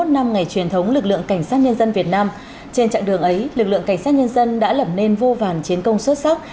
bảy mươi năm năm ngày truyền thống lực lượng cảnh sát nhân dân việt nam trên chặng đường ấy lực lượng cảnh sát nhân dân đã lập nên vô vàn chiến công xuất sắc